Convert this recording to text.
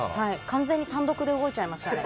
完全に単独で動いちゃいましたね。